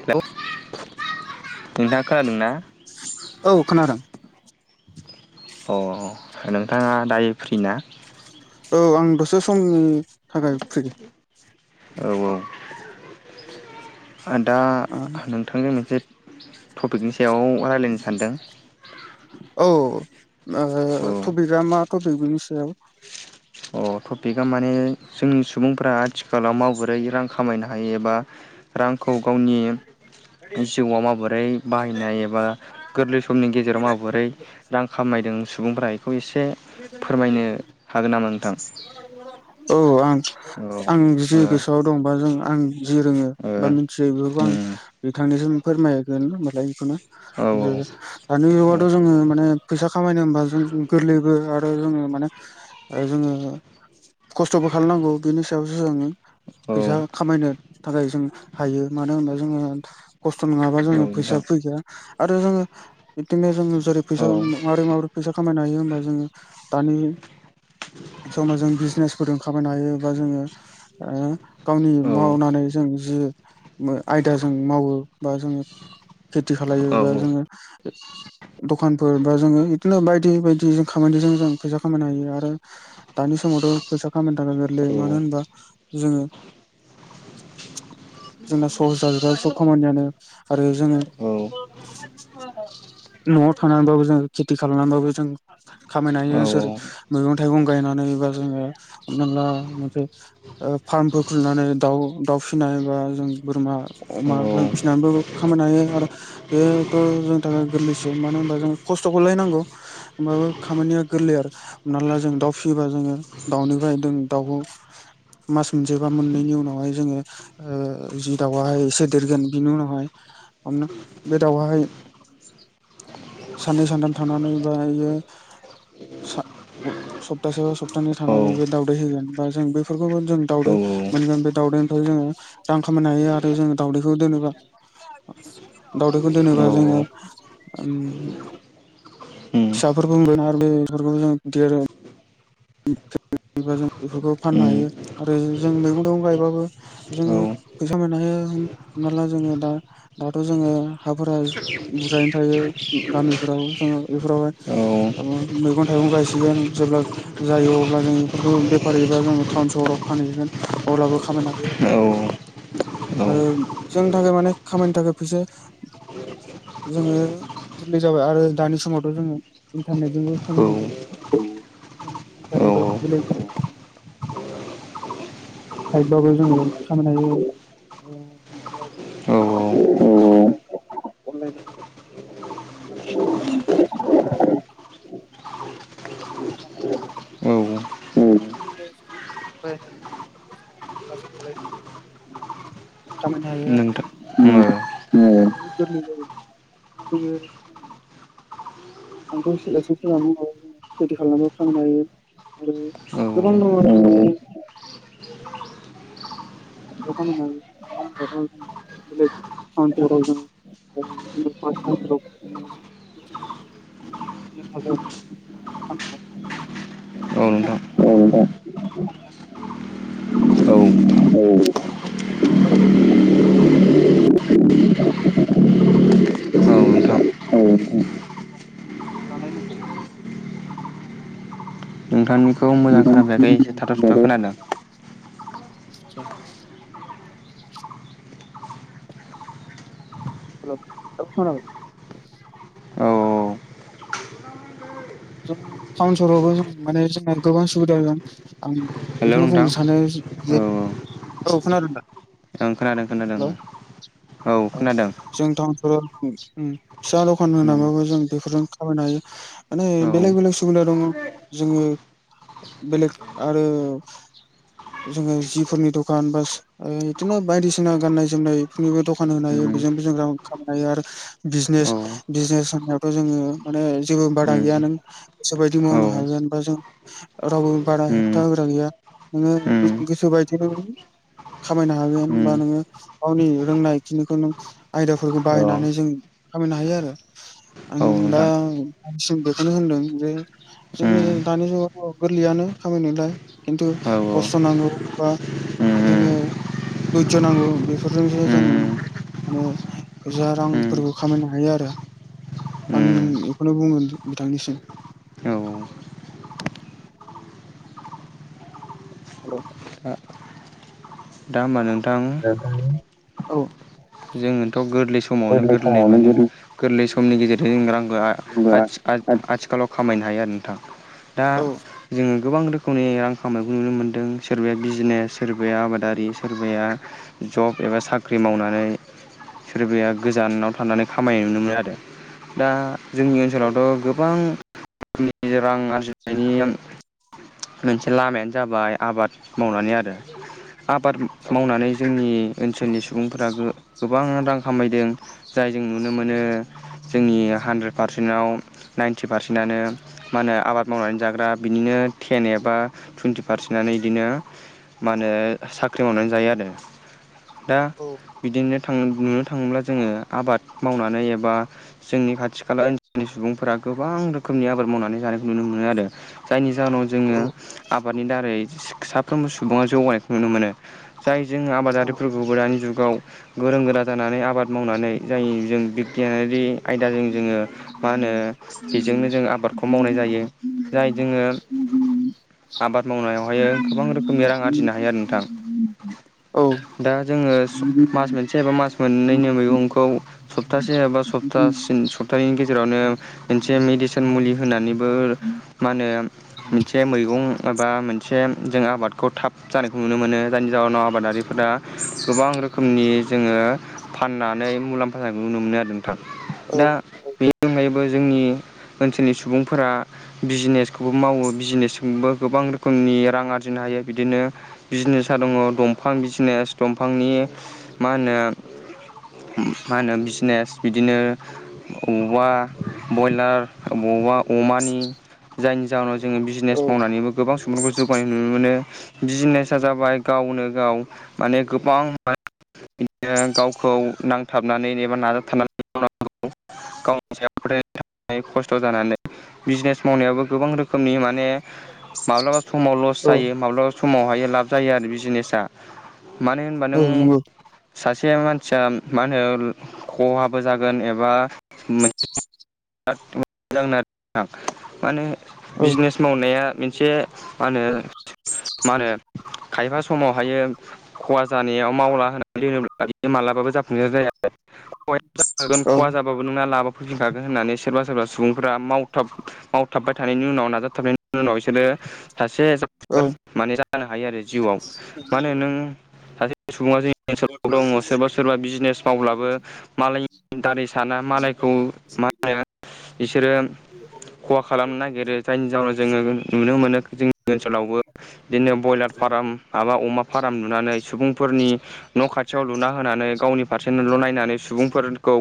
हेल' नोंथाङा खोनादोंना? औ खोनादों। अ नोंथाङा दायो फ्रि ना? औ आं दसे सम औ औ दा नोंथांनि मोनसे टपिकनि सायाव रायज्लायनो सानदों औ ओ थपिकआ मा थपिक बिनि सायाव? अ टपिकआ माने जों सुबुंफोरा आथिखालाव माबोरै रां खामायनो हायो एबा रांखौ गावनि जिउआव माबोरै बाहायनाय एबा गोरलै समनि गेजेराव माबोरै रां खामायदों सुबुंफोरा बेखौ एसे फोरमायनो हागोन नामा नोंथां औ आं औ आं जि ओ गोसोआव दं बा जों आं जि रोङो ओ बा मिथियो बेफोरखौ आं उम बिथांनिसिम फोरमायगोन होनबालाय बेखौनो। औ जे दानि औ जुगावथ' जोङो माने फैसा खामायनो हमबा जों गोरलै आरो जोङो माने जोङो खस्थ'बो खालामनांगौ बेनि सायावसो जोङो औ फैसा खामायनो थाखाय जों हायो मानो होनोबा जोङो खस्थ' नङाबा औ जोङो फैसा नोंथां फैया आरो जोङो बिदिनो जोङो जेरै फैसा औ माबोरै-माबोरै फैसा खामायनो हायो हमबा जोङो दानि समाव जों बिजनेसफोरजों खामायनो हायो बा जोङो ओ गावनि औ मावनानै जों जि मो आयदाजों मावो बा जोङो खेथि खालायो औ बा जोङो दखानफोर बा जोङो बिदिनो बायदि-बायदि जों खामानिजों जों फैसा खामायनो हायो आरो दानि समाव थ फैसा खामायनो गोरलै, मानो होनोब्ला? ज [inaudible] जोंना सहस जाजोबबाय सब खामानियानो आरो जोङो न'आव थानानैबाबो जों खेथि खालामनानैबाबो जों खामायनो हायो जेरै मैगं-थाइगं गायनानै बा जोङो हमनानैला मोनसे ओ फार्मफोर खुलिनानै दाउ दाउ फिसिनाय बा जों बोरमा अमा जों फिसिनानैबो खामायनो हायो आरो बेथ' जोंनि थाखाय गोरलैसो, मानो होनबा जों खस्थ'खौलाय नांगौ। होमबाबो खामानिया गोरलै आरो हमना ला जों दाउ फिसियोबा जोङो दाउनिफ्राय जों दाउखौ मास मोनसे बा मोननैनि उनावहाय जोङो जि दाउआहाय एसे देरगोन बिनि उनावहाय बे दाउआहाय साननै सानथाम थानानै बा बियो सा सप्तासे बा सप्तानै औ थानानै बे दावदै होगोन बा जों बेफोरखौबो जों दावदै मोनगोन। बे दावदैनिफ्राय जोङो रां खामायनो हायो आरो जोङो दावदैखौ दोनोबा दावदैखौ औ दोनोबा जोङो ओम फिसाफोरबो मोनगोन आरो बेफोरखौबो जों [unintelligible] गिदिर बा जों बेफोरखौ फाननो हायो आरो जों मैगं थाइगं गायबाबो जोङो फैसा मोननो हायो हमना ला जोङो दा दाथ' जोङो हाफोरा बुरजायैनो थायो गामिफोराव जोङौ बेफोरावहाय मैगं-थाइगं गायसिगोन जेब्ला जायो अब्ला जों बेफोरखौ बेफारि एबा जोङो टाउन सहराव फानहैगोन। अब्लाबो खामायनो हायो। आरो जोंनि थाखाय माने खामानिनि थाखाय फैसा जोङो गोरलै जाबाय आरो दानि समावथ' जोङो इन्टारनेटजोंबो खामायनो हायो। ल [unintelligible] साइडबाबो जोङो खामनो हायो। औ औ। [unintelligible] [unintelligible] [unintelligible] औ खामायनो हायो नोंथां औ आरो [unintelligible] बहुद गोरलै जायो [unintelligible] आंथ' सिगांसि [unintelligible] सिगां मुङाव खेथि खालामबा थांनो हायो। आरो औ गोबां दं'अ आरो [unintelligible] [unintelligible] [inaudible] [unintelligible] नोंथां [unintelligible] फैसा औ। [unintelligible] अ नोंथां। जानाय नोंथांनिखौ मोजां खोनाफैयाखै एसे थाथ' सुथ' खोनादों [unintelligible] [unintelligible] औ जों टाउन सहरावबो जों माने जोंना गोबां सुबिदा दं। आं हेल' बेखौनो नोंथां बुंनो सानो औ जे औ खोनादोंना? ओं खोनादों-खोनादों ओ, औ ओ खोनादों। जों टाउन-सोहोर उम फिसा दखान होनानैबाबो जों बेफोरजों खामायनो हायो। माने बेलेग बेलेग सुबिदा दङ जोंङो बेलेग आरो जोंङो जिफोरनि दखान बा ओ बिदिनो बायदिसिना गाननाय जोमनायफोरनिबो दखान होनो हायो। बेजों बेजों रां खामायनो हायो आरो बिजनेस बिजनेस होनावथ' जोंङो माने जोंङो बा गैया नों गोसो बायदि औ मावनो हागोन बा जों रावबो बारा औ हेबथा होग्रा गैया नोंङो उम गोसो बायदिनो खामायनो हागोन बा उम नोंङो गावनि रोंनाय खिनिखौ नों आयदाफोरखौ औ बाहायनानै जों खामायनो हायो आरो। आं औ दा नोंथां सिम बेखौनो होनदों जे जोंनि उम दानि जुगावथ' गोरलैयानो खामायालाय खिन्थु औ खस्थ' नांगौ बा उम जोंङो उम दधज' नांगौ बेफोरजोंसो जों उम माने फैसा उम रांफोरखौ खामायनो हायो आरो। आं उम बेखौनो बुंगोन बिथांनिसिम। औ औ औ दा दा होमबा नोंथां [unintelligible] औ जोंङोथ' गोरलै समावनो गोरलै माने गोरलै समनि गेजेरजों जों रांखौ आ होनबा आथि-आ-आथिखालाव खामायनो हायो आरो नोंथां। दा औ जोंङो गोबां रोखोमनि रां खामनायखौ नुनो मोनदों सोरबाया बिजनेस सोरबाया आबादारि सोरबाया जब एबा साख्रि मावनानै सोरबाया गोजानाव थानानै खामायनाय नुनो मोनो आरो। दा जोंनि ओनसोलावथ' गोबां [unintelligible] रां आरजिनायनि मोनसे लामायानो जाबाय आबाद मावनानै आरो। आबाद औ मावनानै जोंनि ओनसोलनि सुबुंफोरा गोबां रां खामायदों जाय जों नुनो मोनो जोंनि हानद्रेद पारसेन्टआव नाइन्टि पारसेन्टनानो मा होनो आबाद मावनानै जाग्रा बिदिनो टेन एबा टुइन्टि पारसेन्टआनो बिदिनो मा होनो साख्रि मावनानै जायो आरो। दा बिदिनो थां बुंनो थाङोब्ला जोंङो आबाद मावनानै एबा जोंनि खाथि खाला ओनसोलनि सुबुंफोरा गोबां रोखोमनि आबाद मावनानै जानायखौ नुनो मोनो आरो। जायनि जाहोनाव औ जोंङो आबादनि दारै साफ्रोमबो सुबुङा जौगानायखौ नुनो मोनो। जाय जों आबादारिफोरखौबो दानि जुगाव। गोरों गोरा जानानै आबाद मावनानै जाय जों बिगियानारि आयदाजों जोंङो मा होनो बेजोंनो जों आबादखौ मावनाय जायो। जाय जोंङो आबाद मावनायावहाय गोबां रोखोमनि रां आरजिनो हायो आरो नोंथां। औ दा जोंङो मास मोनसे एबा मास मोननैनि मैगंखौ सप्तासे एबा सप्तासिन सप नैनि गेजेरावनो मोनसे मेडिसिन मुलि होनानैबो मा होनो मोनसे मैगं एबा मोनसे जों आबादखौ थाब जानायखौ नुनो मोनो। जायनि जााहनाव आबादारिफोरा गोबां रोखोम जोंङो फाननानै मुलाम्फा जानाय नुनो मोनो आरो नोंथां। दा बे बो जोंनि ओनसोलनि सुबुंफोरा बिजनेसखौबो मावो बिजनेसजोंबो गोबां रोखोमनि रां आरजिनो हायो बिदिनो। बिजनेसा दङ दंफां बिजनेस दंफांनि मा होनो मा होनो बिजनेस बिदिनो औवा बयलार औवा अमानि। जायनि जाहोनाव जोंङो बिजनेस औ मावनानैबो। गोबां सुबुंफोरखौ जौगानाय नुनो मोनो बिजिनेसा जाबाय गावनो गाव माने गोबां बिदिनो गावखौ नांथाबनानै एबा नाजाबथाबनानै मावनांगौ। गावनि सायाव फोथाय खस्थ' जानानै बिजनेस मावनायाबो गोबां रोखोमनि माने- माब्लाबा समाव लस औ जायो माब्लाबा समावहायो लाब जायो आरो बिजिनेसा। मानो होन होमबा औ नों नंगौ सासे मानसिया मा होनो खहाबो जागोन एबा बिराद मोजां आरो माने औ बिजनेस मावनाया मोनसे मा होनो मा होनो खायफा समावहायो खहा जानायाव मावला होनानै दोनोब्ला बियो मालाबाबो जाफुंसार जाया। खहा जाखागोन औ खहा जाबाबो नोंना लाबो फैफिनखागोन। होननानै सोरबा सोरबा सुबुंफोरा मावथाबबाय थानायनि उनाव नाजाथाब नि उनाव बिसोरो सासे जा औ माने जानो हायो आरो जिउआव माानो नों सासे सुबुङा जोंनि ओनसोलाव दङ सोरबा सोरबा बिजनेस मावब्लाबो मालायनि दारै साना मालायखौ मा होनो बिसोरो खहा खालामनो नागिरो जायनि जााहोनाव जोङो नुनो मोनो जोंनि ओनसोलावबो बिदिनो बयलार फार्म माबा अमा फाराम लुनानै सुबुंफोरनि न' खाथियाव लुना होनानै गावनि फारसेल' नायनानै सुबुंफोरखौ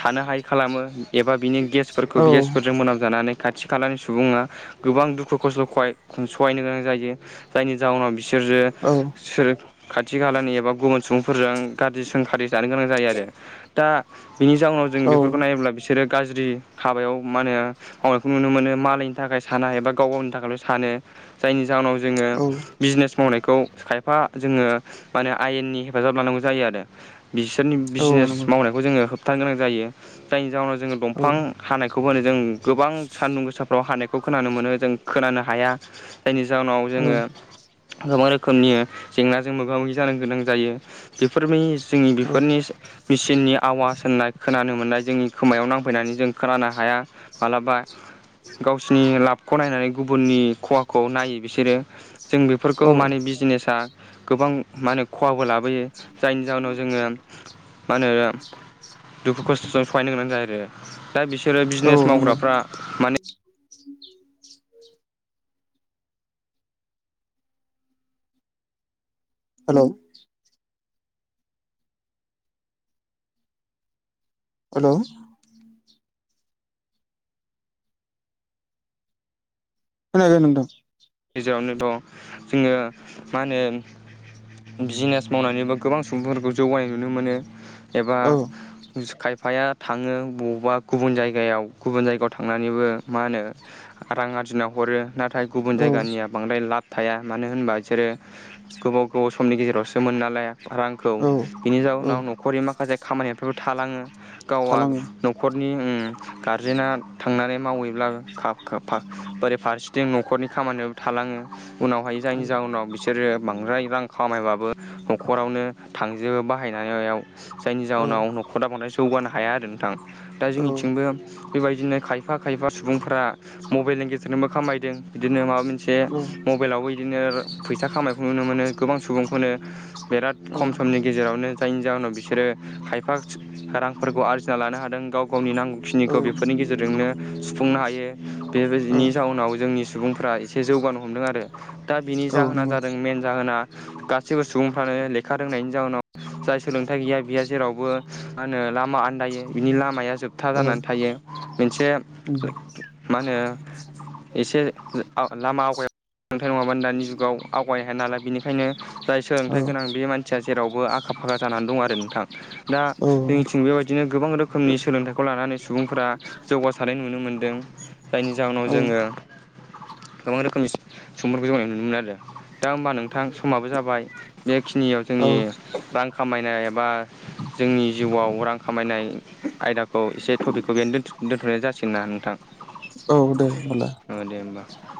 थानो हायि खालामो एबा बिनि गेसफोरखौ औ बेयो सर मोनाम जानानै खाथि खालानि सुबुङा गोबां दुखु खस्थ' खहाय सहायनो गोनां जायो जायनि जाहोनाव बिसोरो औ सोर खाथि खालानि एबा गुबुन सुबुंफोरजों गाज्रि सोंखारि जानो गोनां जायो आरो। दा बिनि जाउनाव जों बेफोरखौ औ नायोब्ला बिसोरो गाज्रि हाबायाव मा होनो मावनायखौ नुनो मोनो मालायनि थाखाय साना एबा गाव गावनि थाखायल' सानो जायनि जाहोनाव जोङो औ बिजनेस मावनायखौ खायफा जोङो माने आयेननि हेफाजाब लानांगौ जायो आरो। बिसोरनि औ बिजनेस नंगौ मावनायखौ जोङो होबथानो गोनां जायो जायनि जाहोनाव जोङो औ दंफां हानायखौ होनो जों गोबां सान्दुं गोसाफ्राव हानायखौ खोनानो मोनो जों खोनानो हाया। जायनि जाहोनाव औ जोङो गोबां रोखोमनि जेंनाजों मोगा मोगि जानो गोनां जायो। बेफोर जोंनि औ बेफोरनि मेचिननि आवास होननाय खोनानो मोननाय जोंनि खोमायाव नां होफैनानै जों खोनानो हाया मालाबा गावसिनि लाबखौ नायनानै गुबुननि खहाखौ नायो बिसोरो। जों बेफोरखौ माने बिजनेसा गोबां माने खहाबो लाबोयो। जायनि जाहोनाव जोङो मा होनो दुखु खस्थ'जों सहायनो गोनां जायो आरो। दा बिसोरो औ बिजनेस नंगौ मावग्राफ्रा माने हेल'। हेल'। खोनादों नोंथां। गेजेरावनो दं जोङो मा होनो बिजिनेस मावनानैबो गोबां सुबुंफोरखौ जौगानाय नुनो मोनो। एबा औ खायफा बिफाया थाङो बबावबा गुबुन जायगायाव गुबुन जायगायाव थांनानैबो मा होनो रां आरजिना हरो नाथाय गुबुन औ जायगायाव बांद्राय लाब थाया मानो होनबा बिसोरो गोबाव गोबाव समनि गेजेरावसो मोन नालाय रां खौ औ बिनि औ जाउनाव न'खरनि माखासे खामानिफोरबो थालाङो गावा थालाङो न'खरनि ओ गारजेना थांनानै मावैब्ला बोरै फारसेथिं न'खरनि खामानियाव थालाङो उनावहाय औ जायनि जाहोनाव बिसोर बिसोरो बांद्राय रां खामायबाबो न'खरावनो थांजोबो बाहायनायाव। जायनि औ जाउहनाव न'खरा बांद्राय जौगानो हाया आरो नोंथां। दा औ जोंनिथिंबो बेबायदिनो खायफा खायफा सुबुंफोरा मबाइलनि गेजेरजोंबो खामायदों। बिदिनो माबा मोनसे औ एसे मबाइलावबो बिदिनो फैसा खामायखौ नुनो मोनो गोबां सुबुंखौनो। बिराद औ खम समनि गेजेरावनो जायनि जाहोनाव बिसोरो खायफा रांफोरखौ आरजिना लानो हादों गाव गावनि नांगौ खिनिखौ औ बेफोरनि गेजेरजोंनो सुफुंनो हायो बेनि जाउनाव जोंनि सुबुंफ्रा एसे जौगानो हमदों आरो दा बिनि औ जाहोना नंगौ जादों मेेन जाहोना गासैबो सुबुंफ्रानो लेखा रोंनायनि जाउनाव जाय सोलोंथाइ गैया बे जेरावबो मा होनो लामा आन्दायो बिनि लामाया जोब बथा औ जानानै थायो मोनसे मा होनो एसे लामा आवगायाथाय नङाबानो दानि जुगाव आवगायनो हाया नालाय बेनिखायनो जाय औ सोलोंथाइ गोनां बे मानसिया जेरावबो आखा फाखा जानानै दं आरो नोंथां। दा जोंथिं बेबायदिनो गोबां रोखोमनि सोलोंथाइखौ लानानै सुबुंफोरा जौगा सारनाय नुनो मोनदों जायनि जाहोनाव जोङो गोबां रोखोमनि सुबुंफोरखौ जोंनाय नुनो मोनो आरो। दा होमबा नोंथां समाबो जाबाय बेखिनियाव औ जोंनि औ रां खामायनाय एबा जोंनि जिउआव रां खामायनाय आयदाखौ एसे टपिकखौ बेयावनो दोन्थ'नाय जासिगोन ना नोंथां। औ दे होनबालाय। ओ दे होमबा।